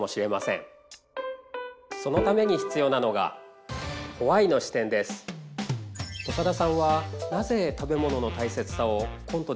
そのために必要なのがオサダさんはなぜ食べ物のたいせつさをコントで伝えたいんですか？